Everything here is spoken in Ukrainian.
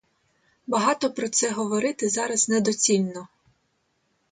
Багато про це говорити зараз недоцільно.